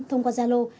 thông qua gia lô